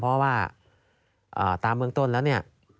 เพราะว่าตามเมืองต้นแล้วเนี่ย